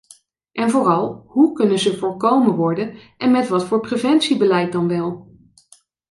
En vooral, hoe kunnen ze voorkomen worden en met wat voor preventiebeleid dan wel?